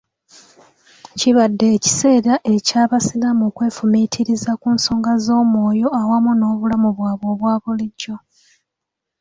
kibadde ekiseera ekya basiraamu okwefumiitiriza ku nsonga z'omwoyo awamu n'obulamu bwabwe obwabulijjo